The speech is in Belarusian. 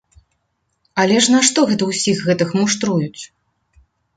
Але ж нашто гэта ўсіх гэтак муштруюць?